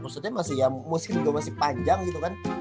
maksudnya musim gue masih panjang gitu kan